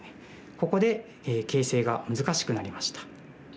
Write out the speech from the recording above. ここで形勢が難しくなりました。